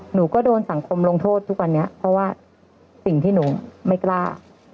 หนูก็โดนสังคมลงโทษทุกวันนี้เพราะว่าสิ่งที่หนูไม่กล้า